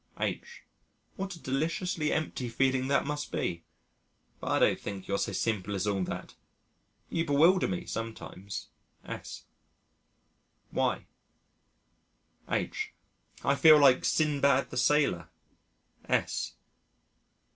H.: "What a deliciously empty feeling that must be. ... But I don't think you're so simple as all that. You bewilder me sometimes." S.: "Why?" H.: "I feel like Sindbad the Sailor." S.